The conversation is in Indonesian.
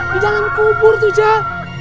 di dalam kubur tuh jak